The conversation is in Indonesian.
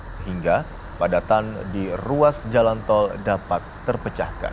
sehingga padatan di ruas jalan tol dapat terpecahkan